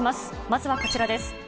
まずはこちらです。